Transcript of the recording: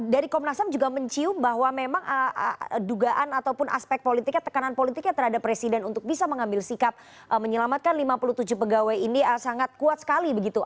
dari komnas ham juga mencium bahwa memang dugaan ataupun aspek politiknya tekanan politiknya terhadap presiden untuk bisa mengambil sikap menyelamatkan lima puluh tujuh pegawai ini sangat kuat sekali begitu